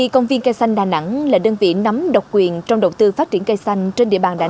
cây trắng đỏ đúng là cây trắng